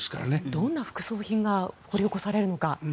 どんな副葬品が掘り起こされるのか。